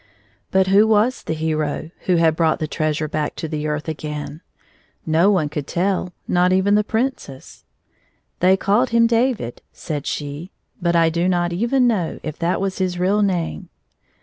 But who was the hero 1 who had brought the lost treasure back to the earth again ? No one could tell, not even the Princess. " They called him David," said she, "but I do not even know if that was his real name."